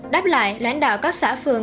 đáp lại lãnh đạo các xã phường